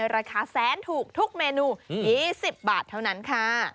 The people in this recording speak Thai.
ราคาแสนถูกทุกเมนู๒๐บาทเท่านั้นค่ะ